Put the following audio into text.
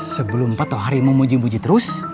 sebelum atau hari memuji muji terus